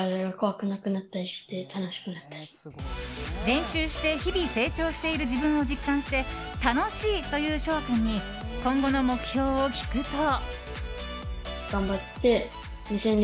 練習して日々成長している自分を実感して楽しいという翔海君に今後の目標を聞くと。